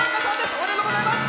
おめでとうございます！